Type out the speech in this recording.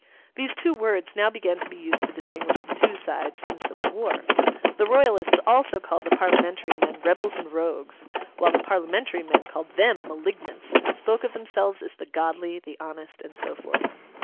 These two words now began to be used to distinguish the two sides in the civil war. The Royalists also called the Parliamentary men Rebels and Rogues, while the Parliamentary men called them Malignants, and spoke of themselves as the Godly, the Honest, and so forth.